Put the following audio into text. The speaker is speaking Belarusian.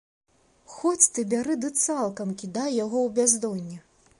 Хоць ты бяры ды цалкам кідай яго ў бяздонне.